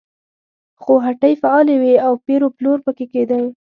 خو هټۍ فعالې وې او پېر و پلور پکې کېده.